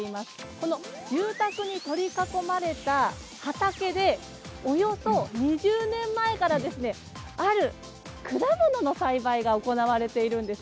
この住宅に取り囲まれた畑でおよそ２０年前からある果物の栽培が行われているんです。